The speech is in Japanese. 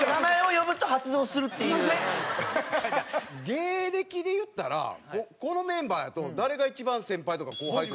芸歴で言ったらこのメンバーやと誰が一番先輩とか後輩とか。